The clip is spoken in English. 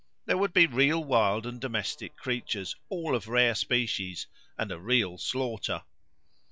There would be real wild and domestic creatures, all of rare species; and a real slaughter.